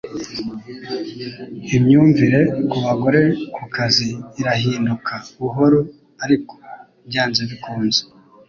Imyumvire ku bagore ku kazi irahinduka buhoro ariko byanze bikunze